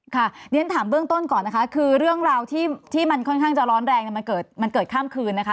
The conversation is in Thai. เรียนถามเบื้องต้นก่อนนะคะคือเรื่องราวที่มันค่อนข้างจะร้อนแรงมันเกิดข้ามคืนนะคะ